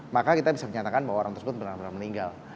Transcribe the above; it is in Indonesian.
maka kita bisa menyatakan bahwa orang tersebut benar benar meninggal